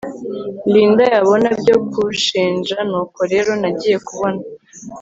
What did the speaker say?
Linda yabona byo kunshinja nuko rero nagiye kubona